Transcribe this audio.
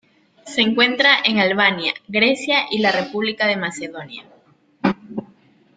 Se encuentra en Albania, Grecia y la República de Macedonia.